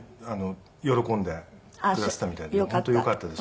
喜んでくださったみたいで本当よかったです